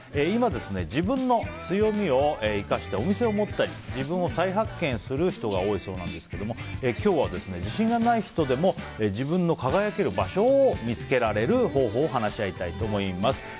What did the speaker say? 今、自分の強みを生かしてお店を持ったり自分を再発見する人が多いそうなんですが今日は、自信がない人でも自分の輝ける場所を見つけられる方法を話し合いたいと思います。